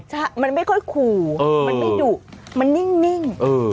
ใช่มันไม่ค่อยขู่มันไม่ดุมันนิ่ง